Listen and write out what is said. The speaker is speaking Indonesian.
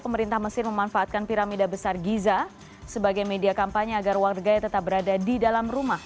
pemerintah mesir memanfaatkan piramida besar giza sebagai media kampanye agar warganya tetap berada di dalam rumah